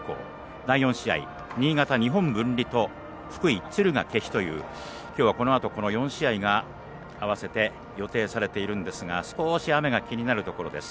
第４試合、新潟、日本文理と福井、敦賀気比というこのあと、この４試合が合わせて予定されているんですが少し雨が気になるところです。